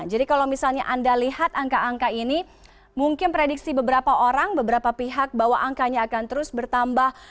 jadi kalau misalnya anda lihat angka angka ini mungkin prediksi beberapa orang beberapa pihak bahwa angkanya akan terus bertambah